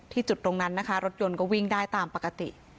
จุดตรงนั้นนะคะรถยนต์ก็วิ่งได้ตามปกติ